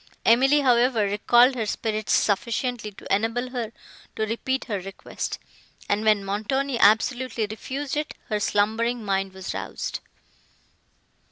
Emily, however, recalled her spirits sufficiently to enable her to repeat her request. And, when Montoni absolutely refused it, her slumbering mind was roused.